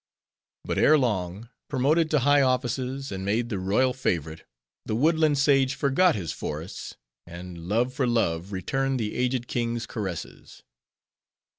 But ere long, promoted to high offices, and made the royal favorite, the woodland sage forgot his forests; and, love for love, returned the aged king's caresses.